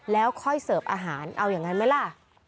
แล้วค่อยเสิร์ฟอาหารเอายังไงไหมล่ะ